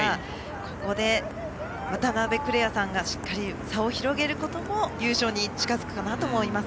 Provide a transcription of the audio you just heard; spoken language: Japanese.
ここで、渡邉来愛さんが差を広げることも優勝に近づくかなと思います。